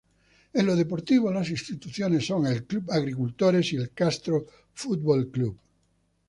En lo deportivo las instituciones son el Club Agricultores y el Castro Fútbol Club.